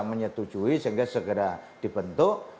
menyetujui sehingga segera dibentuk